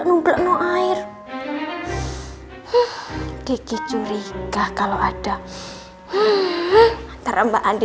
nenek nanti aku pergi